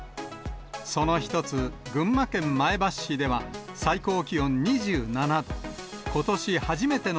その一つ、群馬県前橋市では、最高気温２７度。